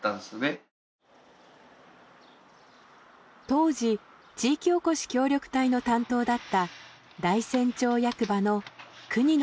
当時地域おこし協力隊の担当だった大山町役場の國野さん。